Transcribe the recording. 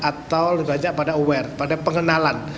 atau lebih banyak pada aware pada pengenalan